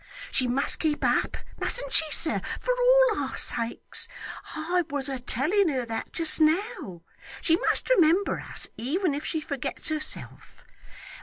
She must keep up, mustn't she, sir, for all our sakes? I was a telling her that, just now. She must remember us, even if she forgets herself.